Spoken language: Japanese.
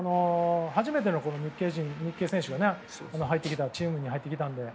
初めての日系選手がチームに入ってきたので。